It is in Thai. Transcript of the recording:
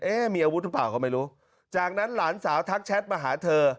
มีอาวุธหรือเปล่าก็ไม่รู้จากนั้นหลานสาวทักแชทมาหาเธอ